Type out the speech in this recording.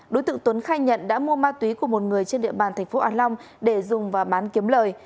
đối tượng tuấn khai nhận đã mua ma túy của một người trên địa bàn thành phố an long để dùng và bán kiếm lời